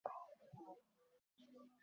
ওর কাজ শেষ হবার আগেই ওকে শেষ করে ফেলতে হবে।